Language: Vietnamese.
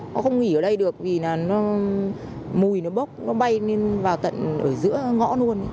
họ không nghỉ ở đây được vì mùi nó bốc nó bay lên vào tận ở giữa ngõ luôn